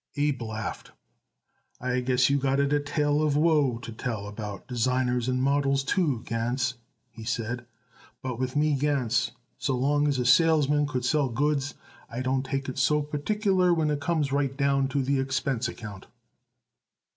Abe laughed. "I guess you got a tale of woe to tell about designers and models, too, Gans," he said; "but with me, Gans, so long as a salesman could sell goods I don't take it so particular when it comes right down to the expense account."